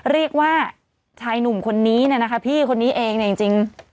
เรียกว่าชายหนุ่มคนนี้เนี่ยนะคะพี่คนนี้เองเนี่ยจริง